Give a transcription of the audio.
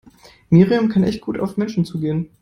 Miriam kann echt gut auf Menschen zugehen.